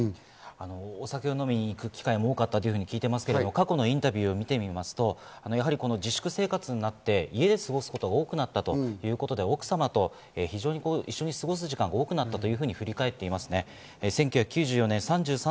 お酒を飲みに行く機会も多かったと聞いていますけれども、過去のインタビューを聞くと自粛生活になって家で過ごすことが多くなったということで奥様と非常に過ごす時間が多くなったと。